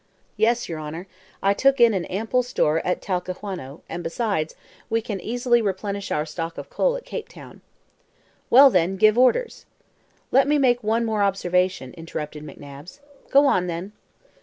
"Yes, your honor, I took in an ample store at Talcahuano, and, besides, we can easily replenish our stock of coal at Cape Town." "Well, then, give orders." "Let me make one more observation," interrupted McNabbs. "Go on then."